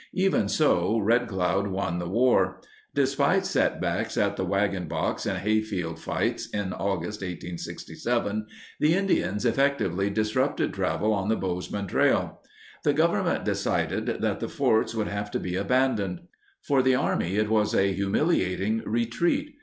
Even so, Red Cloud won the war. Despite setbacks at the Wagon Box and Hayfield fights in August 14 1867, the Indians effectively disrupted travel on the Bozeman Trail. The Government decided that the forts would have to be abandoned. For the Army it was a humiliating retreat.